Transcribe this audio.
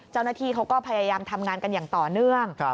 เจ้าหน้าที่เขาก็พยายามทำงานกันอย่างต่อเนื่อง